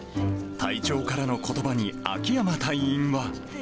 隊長からのことばに、秋山隊員は。